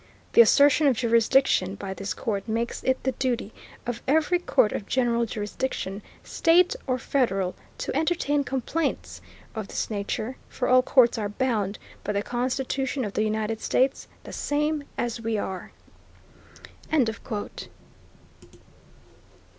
The assertion of jurisdiction by this court makes it the duty of every court of general jurisdiction, state or federal, to entertain complaints [of this nature], for all courts are bound by the Constitution of the United States, the same as we are."